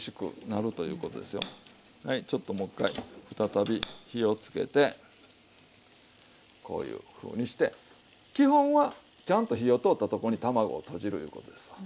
ちょっともう一回再び火をつけてこういうふうにして基本はちゃんと火を通ったとこに卵をとじるいうことですわ。